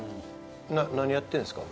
何やってんすか？